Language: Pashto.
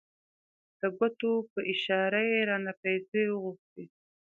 د ګوتو په اشاره یې رانه پیسې وغوښتې.